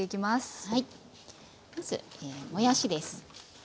まずもやしです。